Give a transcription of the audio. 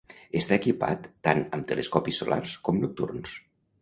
Està equipat tant amb telescopis solars com nocturns.